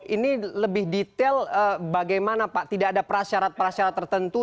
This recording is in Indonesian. ini lebih detail bagaimana pak tidak ada prasyarat prasyarat tertentu